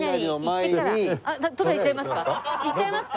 先行っちゃいますか？